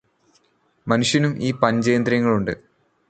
മനുഷ്യനും ഈ പഞ്ചേന്ദ്രിയങ്ങൾ ഉണ്ട്.